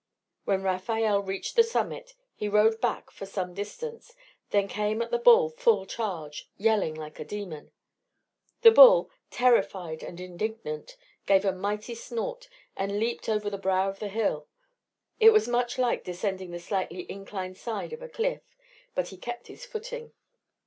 When Rafael reached the summit he rode back for some distance, then came at the bull full charge, yelling like a demon. The bull, terrified and indignant, gave a mighty snort and leaped over the brow of the hill. It was much like descending the slightly inclined side of a cliff, but he kept his footing.